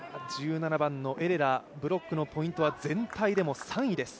１７番のエレラブロックのポイントは全体でも３位です。